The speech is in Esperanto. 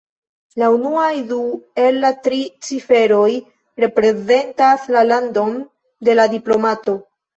La unuaj du el la tri ciferoj reprezentas la landon de la diplomato.